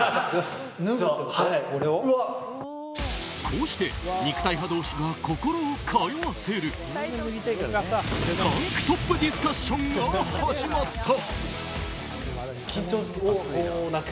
こうして肉体派同士が心を通わせるタンクトップディスカッションが始まった。